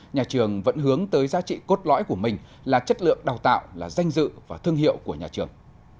nhà trường vẫn hướng tới giá trị cốt lõi của mình là chất lượng đào tạo là danh dự và thương hiệu của nhà trường